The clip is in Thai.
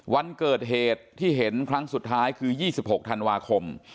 วันเกิดเหตุที่เห็นครั้งสุดท้ายคือ๒๖ธันวาคม